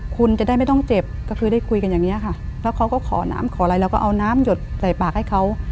คุณจะได้ไม่ต้องเจ็บก็คือได้คุยกันอย่างนี้ค่ะแล้วเขาก็ขอน้ำขออะไรเราก็เอาน้ำหยดใส่ปากให้เขา